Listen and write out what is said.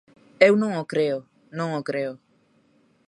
Eu non o creo, non o creo.